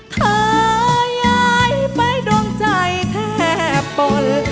เธอย้ายไปดวงใจแทบปน